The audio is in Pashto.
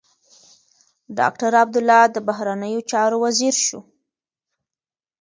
ډاکټر عبدالله د بهرنيو چارو وزیر شو.